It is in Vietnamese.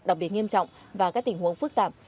đặc biệt nghiêm trọng và các tình huống phức tạp